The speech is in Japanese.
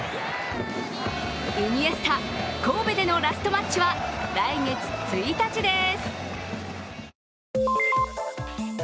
イニエスタ神戸でのラストマッチは来月１日です。